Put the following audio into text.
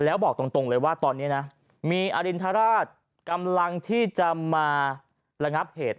แล้วบอกตรงเลยว่าตอนนี้นะมีอรินทราชกำลังที่จะมาระงับเหตุ